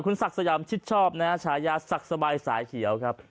ศักดิ์สยามชิดชอบนะฮะฉายาศักดิ์สบายสายเขียวครับ